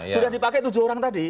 sudah dipakai tujuh orang tadi